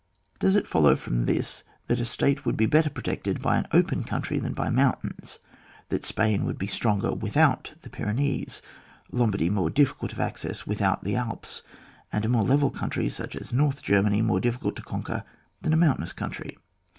Does it follow from this that a state would be better protected by an open country than by mountains, that Spain would be stronger without the Pyrenees ; Lombardy more difficult of access with out the Alps, and a level country such as North Germany more difficult to con quer than a mountainous country